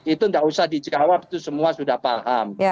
itu tidak usah dijawab itu semua sudah paham